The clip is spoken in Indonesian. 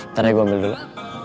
ntar aja gue ambil dulu